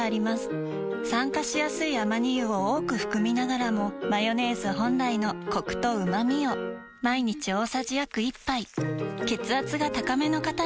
酸化しやすいアマニ油を多く含みながらもマヨネーズ本来のコクとうまみを毎日大さじ約１杯血圧が高めの方に機能性表示食品